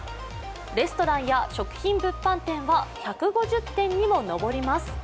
レストランや食品物販店は１５０店にも上ります。